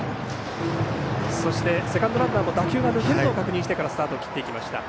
そしてセカンドランナーも打球が抜けるのを確認してからスタートを切っていきました。